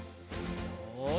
よし。